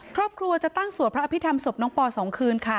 ครอบครัวจะตั้งสวดพระอภิษฐรรมศพน้องปอ๒คืนค่ะ